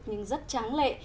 nhưng rất tráng lệ